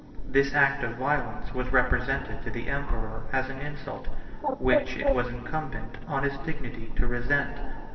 This act of violence was represented to the emperor as an insult, which it was incumbent on his dignity to resent.